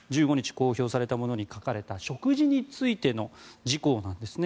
公表されたものに書かれた食事についての事項なんですね。